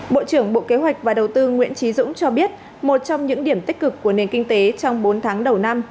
bộ trưởng bộ kế hoạch và đầu tư nguyễn trí dũng cho biết một trong những điểm tích cực của nền kinh tế trong bốn tháng đầu năm